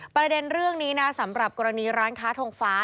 ประเด็นเรื่องนี้นะสำหรับกรณีร้านค้าทงฟ้า